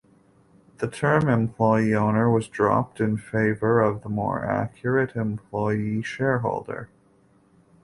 The term "employee owner" was dropped in favour of the more accurate "employee shareholder".